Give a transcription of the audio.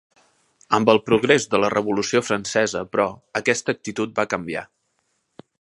Amb el progrés de la Revolució Francesa, però, aquesta actitud va canviar.